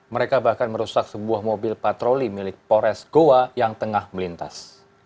mereka bahkan merusak sebuah mobil patroli milik pores goa yang tengah melintas